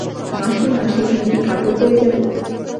মাসিমা, সেখানে কী কাপড় পরে যাব।